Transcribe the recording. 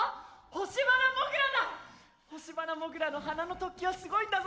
ホシバナモグラの鼻の突起はすごいんだぞ。